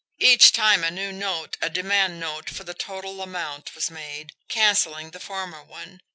Each time a new note, a demand note for the total amount, was made, cancelling the former one.